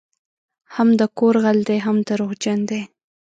هم د کور غل دی هم دروغجن دی